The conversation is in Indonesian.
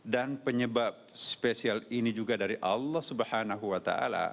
dan penyebab spesial ini juga dari allah swt